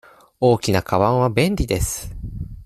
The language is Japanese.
大きなかばんは便利です。